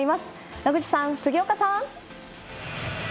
野口さん、杉岡さん。